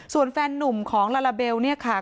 ส่วนแฟนนุ่มของลาลาเบลเนี่ยค่ะ